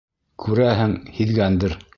Күрәһең, һиҙгәндер.